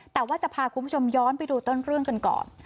แต่ว่าจะพาคุณผู้ชมย้อนไปดูต้นเรื่องกันก่อน